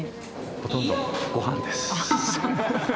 ほとんどごはんです。